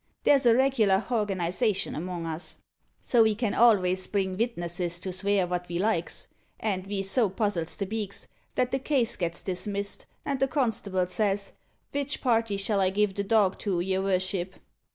There's a reg'lar horganisation among us; so ve can alvays bring vitnesses to svear vot ve likes, and ve so puzzles the beaks, that the case gets dismissed, and the constable says, 'Vich party shall I give the dog to, your vorship?'